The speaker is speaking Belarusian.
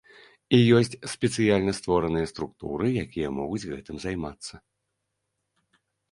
І ёсць спецыяльна створаныя структуры, якія могуць гэтым займацца.